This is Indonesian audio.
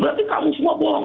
berarti kamu semua bohong